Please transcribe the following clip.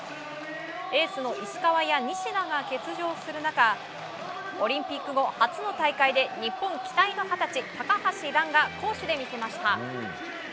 エースの石川や西田が欠場する中オリンピック後、初の大会で日本期待の二十歳、高橋藍が攻守で見せました。